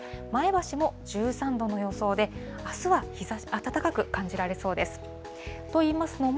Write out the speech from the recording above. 前橋も１３度の予想で、あすは暖かく感じられそうです。